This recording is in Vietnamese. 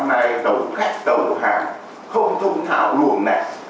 tàu bán này tàu khách tàu hàng không thông thảo luồn này